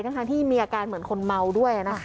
ทั้งที่มีอาการเหมือนคนเมาด้วยนะคะ